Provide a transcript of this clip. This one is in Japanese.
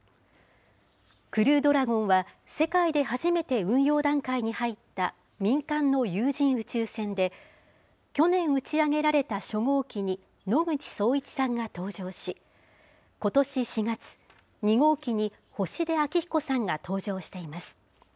クルードラゴンは、世界で初めて運用段階に入った民間の有人宇宙船で、去年、打ち上げられた初号機に、野口聡一さんが搭乗し、ことし４月、２号機に星出彰彦さんが搭乗しています。